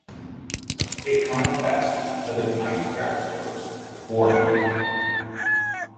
It contrasts with the other kind of groundstroke, the forehand.